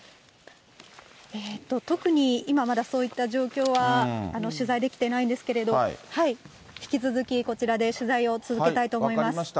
特に、今まだそういった状況は取材できていないんですけれども、引き続き、こちらで取材を続けたいと思います。